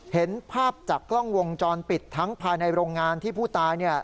เห็นภาพจากกล้องวงจรปิดทั้งภายในโรงงานที่ผู้ตายเนี่ย